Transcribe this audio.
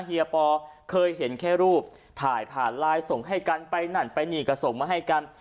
เฮียปอเคยเห็นแค่รูปถ่ายผ่านไลน์ส่งให้กันไปนั่นไปนี่ก็ส่งมาให้กัน